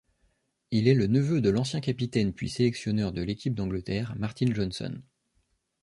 Il est le neveu de l'ancien capitaine puis sélectionneur de l'équipe d'Angleterre, Martin Johnson.